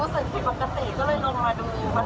อ๋อป้าเขาไปส่งลูกที่โรงเรียนอ๋อพอลงมาถึงก็เห็นไฟลุกแล้ว